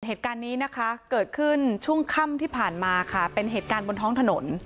เหตุการณ์นี้นะคะเกิดขึ้นช่วงค่ำที่ผ่านมาค่ะเป็นเหตุการณ์บนท้องถนน